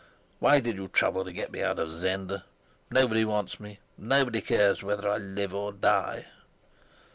Why did you trouble to get me out of Zenda? Nobody wants me, nobody cares whether I live or die."